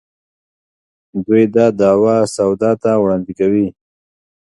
دوی دا دعوه سودا ته وړاندې کوي.